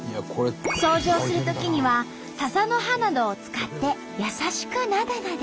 掃除をするときにはササの葉などを使って優しくなでなで。